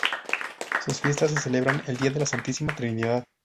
Sus fiestas se celebran el día de la Santísima Trinidad.